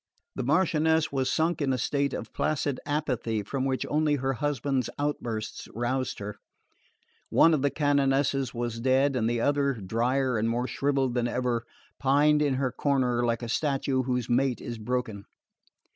The Marchioness was sunk in a state of placid apathy from which only her husband's outbursts roused her; one of the canonesses was dead, and the other, drier and more shrivelled than ever, pined in her corner like a statue whose mate is broken.